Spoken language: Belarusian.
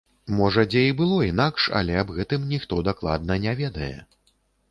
Можа, дзе і было інакш, але аб гэтым ніхто дакладна не ведае.